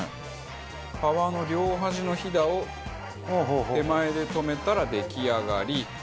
皮の両端のヒダを手前でとめたら出来上がり。